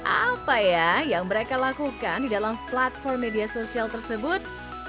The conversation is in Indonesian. apa ya yang mereka lakukan di dalam platform media sosial tersebut